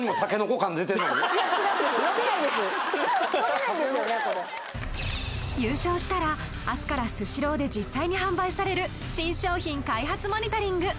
これ優勝したら明日からスシローで実際に販売される新商品開発モニタリング！